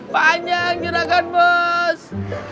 panjang juragan bos